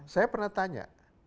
saya pernah tanya